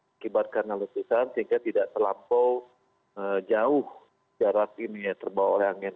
akibat karena letusan sehingga tidak terlampau jauh jarak ini ya terbawa oleh angin